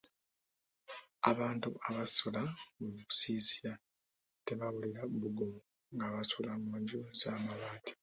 Abantu abasula mu busiisira tebawulira bbugumu nga basula mu nju z'amabbaati.